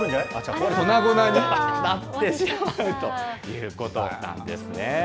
粉々になってしまうということなんですね。